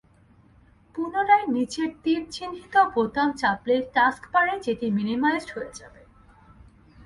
পুনরায় নিচের তির চিহ্নিত বোতাম চাপলে টাস্কবারে সেটি মিনিমাইজড হয়ে যাবে।